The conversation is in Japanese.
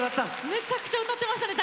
めちゃくちゃ歌ってましたね。